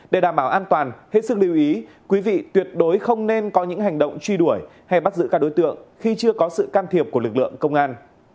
để đảm bảo an toàn hết sức lưu ý quý vị tuyệt đối không nên có những hành động truy đuổi hay bắt giữ các đối tượng khi chưa có sự can thiệp của lực lượng công an